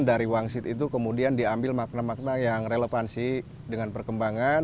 dari wangsit itu kemudian diambil makna makna yang relevansi dengan perkembangan